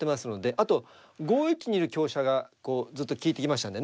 あと５一にいる香車がこうずっと利いてきましたのでね。